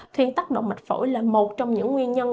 thuyền tắc động mạch phổi là một trong những nguyên nhân